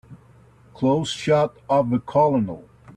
Close shot of the COLONEL.